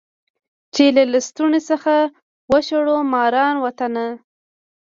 چي له لستوڼي څخه وشړو ماران وطنه